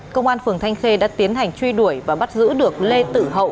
công an phường thanh khê đã tiến hành truy đuổi và bắt giữ được lê tử hậu